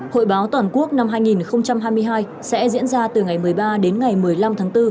hội báo toàn quốc năm hai nghìn hai mươi hai sẽ diễn ra từ ngày một mươi ba đến ngày một mươi năm tháng bốn